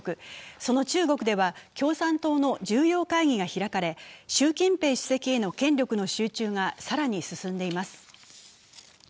その中国では、共産党の重要会議が開かれ習近平主席への権力の集中が更に進んでいます。